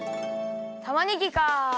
たまねぎか。